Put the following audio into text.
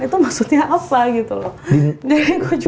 itu maksudnya apa gitu loh